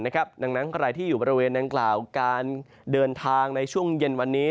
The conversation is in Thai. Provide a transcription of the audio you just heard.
ดังนั้นใครที่อยู่บริเวณดังกล่าวการเดินทางในช่วงเย็นวันนี้